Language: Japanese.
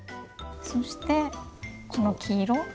そしてこの黄色。